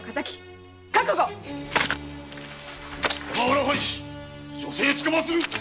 山浦藩士助勢つかまつる！